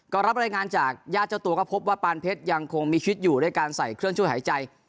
ก็รับรายงานจากญาติเจ้าตัวก็พบว่าปานเพชรยังคงมีชีวิตอยู่ด้วยการใส่เครื่องช่วยหายใจ